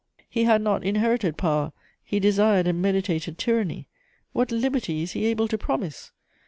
He had not inherited power; he desired and meditated tyranny: what liberty is he able to promise?